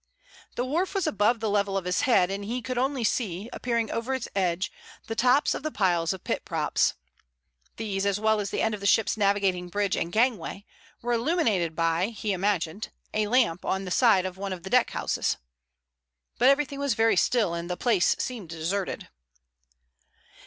The wharf was above the level of his head, and he could only see, appearing over its edge, the tops of the piles of pit props. These, as well as the end of the ship's navigating bridge and the gangway, were illuminated by, he imagined, a lamp on the side of one of the deckhouses. But everything was very still, and the place seemed deserted.